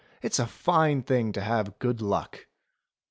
It's a fine thing to have good luck."